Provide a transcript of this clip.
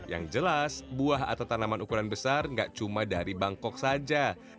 yang jelas buah atau tanaman ukuran besar nggak cuma dari bangkok saja